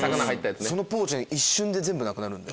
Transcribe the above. そのポーチが一瞬で全部なくなるんで。